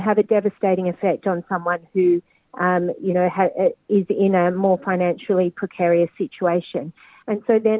bisa memiliki efek yang mengerikan pada seseorang yang berada dalam situasi yang lebih kecewa